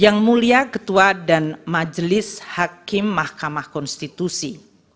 yang mulia ketua dan majelis hakim mahkamah konstitusi